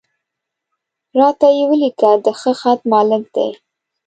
را ته یې ولیکه، د ښه خط مالک دی.